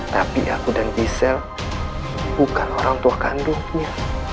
tapi aku dan giselle bukan orang tua kandungnya